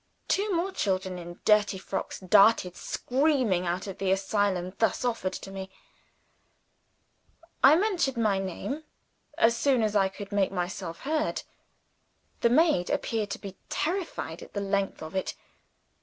Two more children in dirty frocks darted, screaming, out of the asylum thus offered to me. I mentioned my name, as soon as I could make myself heard. The maid appeared to be terrified at the length of it.